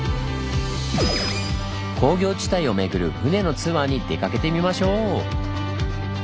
工業地帯をめぐる船のツアーに出かけてみましょう！